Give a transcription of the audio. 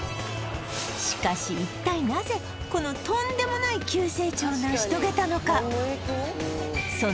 しかし一体なぜこのとんでもない急成長を成し遂げたのか？